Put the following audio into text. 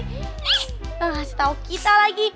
nggak ngasih tahu kita lagi